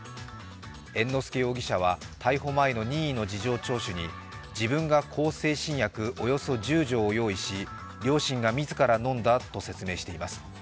猿之助容疑者は逮捕前の任意の事情聴取に自分が向精神薬およそ１０錠を用意し、両親が自ら飲んだと説明しています。